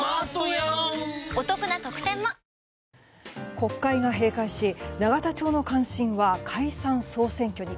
国会が閉会し永田町の関心は解散・総選挙に。